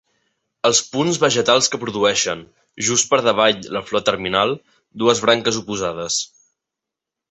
Els punts vegetals que produeixen, just per davall la flor terminal, dues branques oposades.